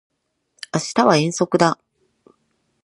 明日は遠足だ